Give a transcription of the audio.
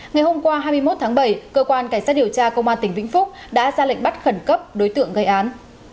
ngày hôm qua hai mươi một tháng bảy cơ quan cảnh sát điều tra công an tỉnh vĩnh phúc đã ra lệnh bắt khẩn cấp đối tượng gây án